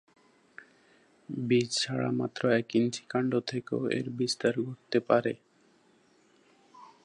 বীজ ছাড়া মাত্র এক ইঞ্চি কাণ্ড থেকেও এর বিস্তার ঘটতে পারে।